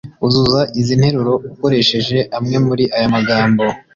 Uzuza izi nteruro ukoresheje amwe muri aya magambo